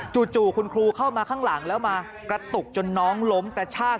จู่คุณครูเข้ามาข้างหลังแล้วมากระตุกจนน้องล้มกระชาก